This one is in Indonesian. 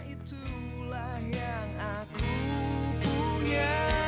itulah yang aku punya